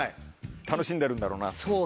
楽しんでるんだろうなっていう。